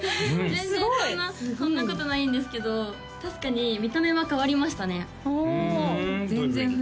全然そんなことないんですけど確かに見た目は変わりましたねふんどういうふうに？